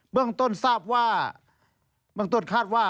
เบื้องต้นทราบว่า